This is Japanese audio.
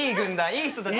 いい人たち。